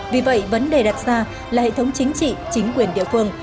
vì vậy vấn đề đặt ra là hệ thống chính trị chính quyền địa phương